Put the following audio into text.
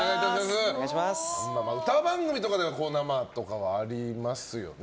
歌番組とかでは生とかはありますよね。